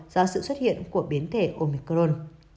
do sự xuất hiện của biến thể omicron